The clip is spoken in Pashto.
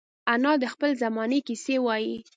انا د خپلې زمانې کیسې وايي